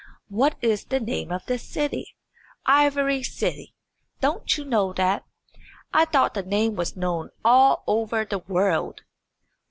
"What is the name of this city?" "Ivory City. Don't you know that? I thought the name was known all over the world."